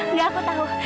udah gak gak aku tau